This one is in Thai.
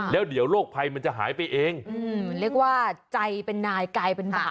แล้วเดี๋ยวโรคภัยมันจะหายไปเองเรียกว่าใจเป็นนายกลายเป็นบาป